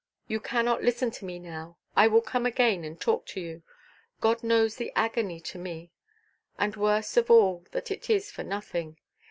"You cannot listen to me now; I will come again, and talk to you. God knows the agony to me; and worst of all that it is for nothing.